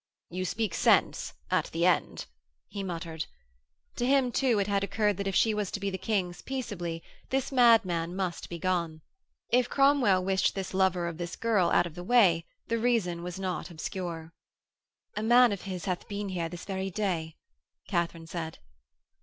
'You speak sense at the end,' he muttered. To him too it had occurred that if she was to be the King's peaceably, this madman must begone. If Cromwell wished this lover of this girl out of the way, the reason was not obscure. 'A man of his hath been here this very day,' Katharine said.